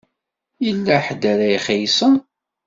Yella ḥedd ara ixelṣen.